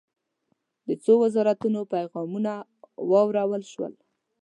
د څو وزارتونو پیغامونه واورل شول.